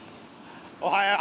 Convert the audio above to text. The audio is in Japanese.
おはよう。